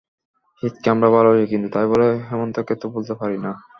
শীতকে আমরা ভালোবাসি কিন্তু তাই বলে হেমন্তকে তো ভুলতে পারি না।